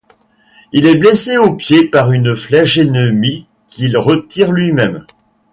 Il est blessé au pied par une flèche ennemie qu'il retire lui-même.